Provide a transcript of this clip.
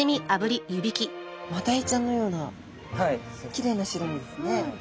マダイちゃんのようなきれいな白身ですね。